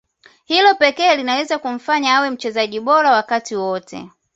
Hilo pekee linaweza kumfanya awe mchezaji bora wa wakati wote